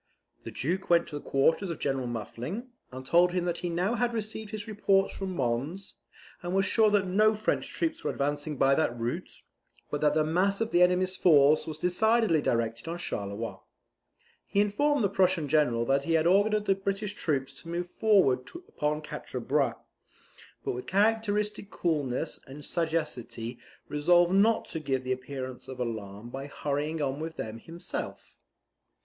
The Duke went to the quarters of General Muffling, and told him that he now had received his reports from Mons, and was sure that no French troops were advancing by that route, but that the mass of the enemy's force was decidedly directed on Charleroi. He informed the Prussian general that he had ordered the British troops to move forward upon Quatre Bras; but with characteristic coolness and sagacity resolved not to give the appearance of alarm by hurrying on with them himself.